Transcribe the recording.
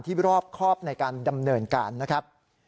รอบครอบในการดำเนินการนะครับ